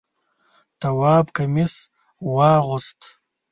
تواب کمیس واغوست.